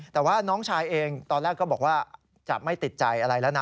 แต่ว่าน้องชายเองตอนแรกก็บอกว่าจะไม่ติดใจอะไรแล้วนะ